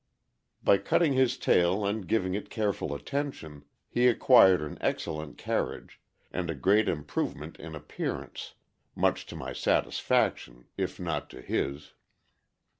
By cutting his tail and giving it careful attention, he acquired an excellent carriage, and a great improvement in appearance, much to my satisfaction, if not to his.